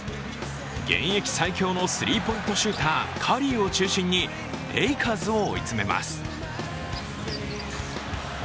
現役最強のスリーポイントシューター、カリーを中心にレイカーズを追い詰めます。